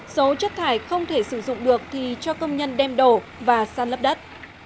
số chất thải không thể sử dụng được thì cho công nhân đem đổ và săn lấp đất